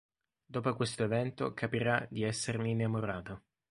Dopo questo evento capirà di esserne innamorata.